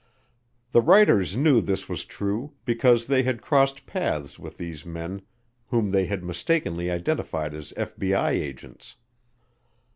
The writers knew this was true because they had crossed paths with these men whom they had mistakenly identified as FBI agents.